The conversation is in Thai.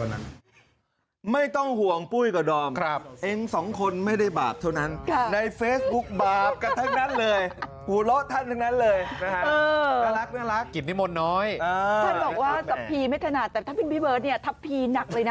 ท่านบอกว่าทัพพีไม่ถนัดแต่ถ้าเป็นพี่เบิร์ตเนี่ยทัพพีหนักเลยนะ